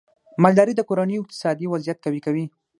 مالدارۍ د کورنیو اقتصادي وضعیت قوي کوي.